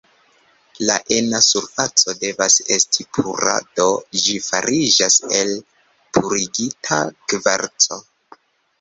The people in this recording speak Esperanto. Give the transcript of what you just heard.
La ena surfaco devas esti pura, do ĝi fariĝas el purigita kvarco.